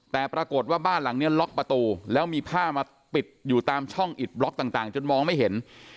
แต่ปรากฏว่าบ้านหลังนี้ล็อกประตูแล้วมีผ้ามาปิดอยู่ตามช่องอิดบล็อกต่างจนมองไม่เห็น